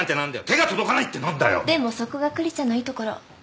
でもそこがクリちゃんのいいところ。